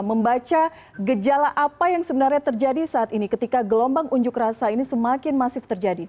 membaca gejala apa yang sebenarnya terjadi saat ini ketika gelombang unjuk rasa ini semakin masif terjadi